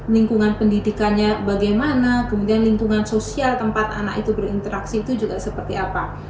lingkungan pendidikannya bagaimana kemudian lingkungan sosial tempat anak itu berinteraksi itu juga seperti apa